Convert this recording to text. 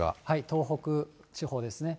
東北地方ですね。